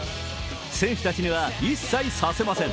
選手たちには一切、させません。